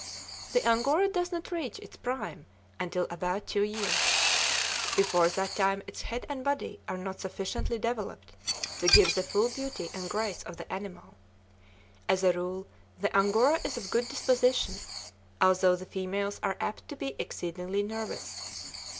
The Angora does not reach its prime until about two years. Before that time its head and body are not sufficiently developed to give the full beauty and grace of the animal. As a rule, the Angora is of good disposition, although the females are apt to be exceedingly nervous.